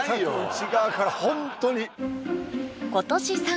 内側からホントに！